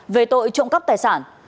về tội trộm cấp tài sản